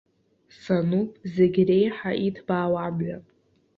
Сануп зегь реиҳа иҭбаау амҩа.